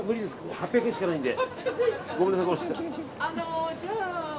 ８００円しかないので。